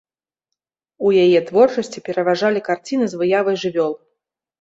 У яе творчасці пераважалі карціны з выявай жывёл.